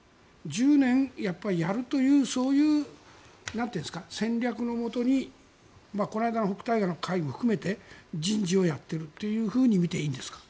１０年やるというそういう戦略のもとにこの間の北戴河の会議も含めて人事をやっていると見ていいんですか？